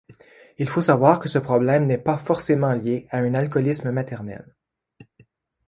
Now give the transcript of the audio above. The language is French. Il faut savoir que ce problème n'est pas forcément lié à un alcoolisme maternel.